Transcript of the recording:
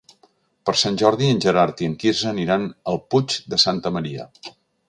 Per Sant Jordi en Gerard i en Quirze aniran al Puig de Santa Maria.